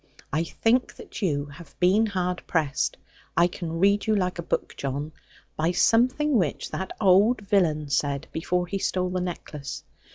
I think that you have been hard pressed I can read you like a book, John by something which that old villain said, before he stole the necklace.